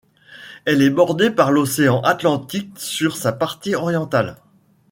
Elle est bordée par l'Océan Atlantique sur sa partie orientale.